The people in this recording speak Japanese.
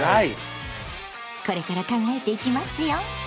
これから考えていきますよ。